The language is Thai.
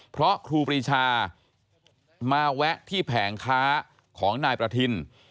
เพราะครูปรีชามาแวะที่แผงค้าของนายประทิน